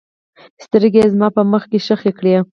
سترګې یې زما په مخ کې ښخې کړې.